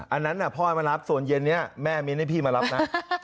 อันนั้นพ่อให้มารับส่วนเย็นนี้แม่มิ้นให้พี่มารับนะ